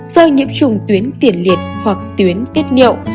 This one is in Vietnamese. do nhiễm trùng tuyến tiền liệt hoặc tuyến tiết niệu